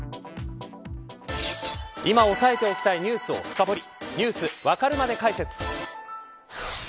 今押さえておきたいニュースを深掘りＮｅｗｓわかるまで解説。